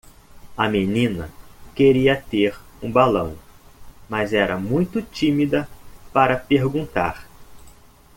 A menina queria ter um balão, mas era muito tímida para perguntar.